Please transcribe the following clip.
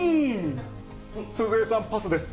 鈴江さん、パスです。